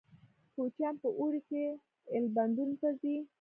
کوچیان په اوړي کې ایلبندونو ته ځي